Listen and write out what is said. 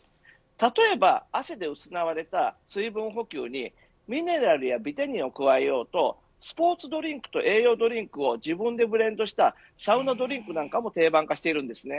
例えば汗で失われた水分補給にミネラルやビタミンを加えようとスポーツドリンクと栄養ドリンクを自分でブレンドしたサウナドリンクなんかも定番化しているんですね。